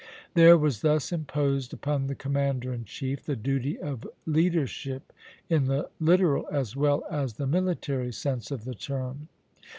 There was thus imposed upon the commander in chief the duty of leadership in the literal, as well as the military, sense of the term.